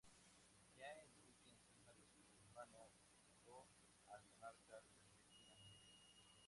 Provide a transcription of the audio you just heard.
Ya Enrique encima de su hermano, apuñaló al monarca repetidamente.